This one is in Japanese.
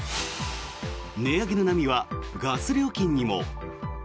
値上げの波はガス料金にも。